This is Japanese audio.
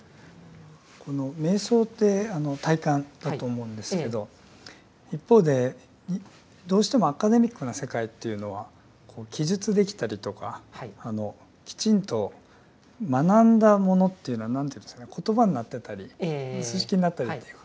この瞑想って体感だと思うんですけど一方でどうしてもアカデミックな世界というのは記述できたりとかきちんと学んだものというのは何ていうんですかね言葉になってたり数式になってたりというか。